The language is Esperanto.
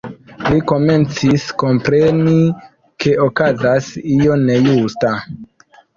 Li komencis kompreni, ke okazas io nejusta.